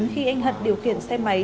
khi anh hận điều kiện xe máy